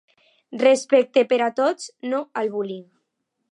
Respecte per a tots, no al bullying.